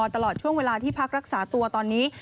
ตลอดช่วงเวลาที่พักรักษาตัวตอนนี้